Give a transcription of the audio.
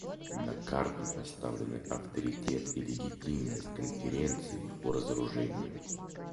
На карту поставлены авторитет и легитимность Конференции по разоружению.